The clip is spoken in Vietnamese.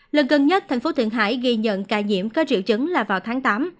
lần gần nhất thành phố thượng hải ghi nhận ca nhiễm có triệu chứng là vào tháng tám